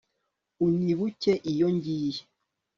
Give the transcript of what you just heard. unyibuke iyo ngiye